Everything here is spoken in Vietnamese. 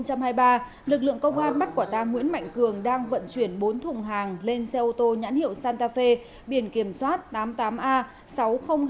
công an bắt quả tàng nguyễn mạnh cường đang vận chuyển bốn thùng hàng lên xe ô tô nhãn hiệu santa fe biển kiểm soát tám mươi tám a sáu mươi nghìn hai trăm chín mươi chín